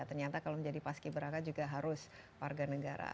ternyata kalau menjadi paski beraka juga harus warga negara